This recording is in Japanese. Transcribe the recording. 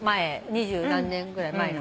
二十何年ぐらい前の。